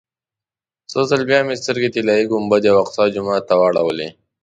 یو ځل بیا مې سترګې طلایي ګنبدې او اقصی جومات ته واړولې.